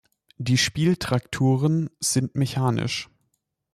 Die Spieltrakturen sind mechanisch.